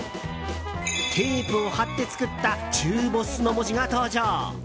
テープを貼って作った「中ボス」の文字が登場。